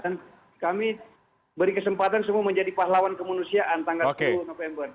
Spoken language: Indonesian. dan kami beri kesempatan semua menjadi pahlawan kemanusiaan tanggal sepuluh november